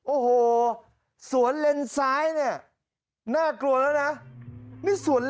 โอ้โหส่วนเลนสายเนี่ย